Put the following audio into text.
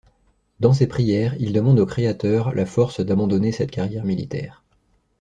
Dans ses prières, il demande au Créateur la force d'abandonner cette carrière militaire.